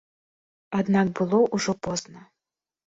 Аднак было ўжо позна.